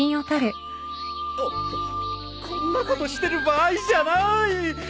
おっとこんなことしてる場合じゃなーい！